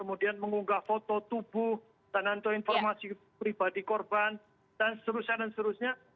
kemudian mengunggah foto tubuh dan nonton informasi pribadi korban dan seterusnya dan seterusnya